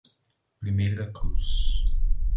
Primeira Cruz